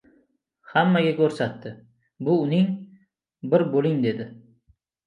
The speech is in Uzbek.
Hammaga ko‘rsatdi — bu uning, bir bo‘ling dedi.